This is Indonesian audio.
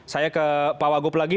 saya ke pak wagup lagi